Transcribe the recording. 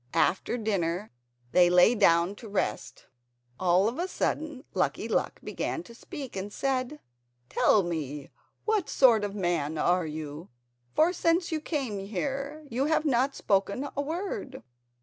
After dinner they lay down to rest. All of a sudden Lucky Luck began to speak and said: "Tell me, what sort of man are you, for since you came here you have not spoken a word?"